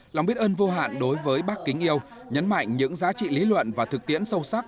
lòng biết ơn vô hạn đối với bác kính yêu nhấn mạnh những giá trị lý luận và thực tiễn sâu sắc